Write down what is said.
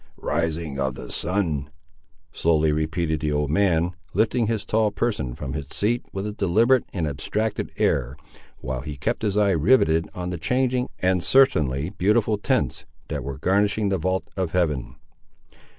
"Rising of the sun!" slowly repeated the old man, lifting his tall person from its seat with a deliberate and abstracted air, while he kept his eye riveted on the changing, and certainly beautiful tints, that were garnishing the vault of Heaven.